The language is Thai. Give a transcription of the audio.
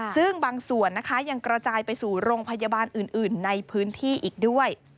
ซึ่งบางส่วนนะคะยังกระจายไปสู่โรงพยาบาลอื่นในพื้นที่อีกด้วย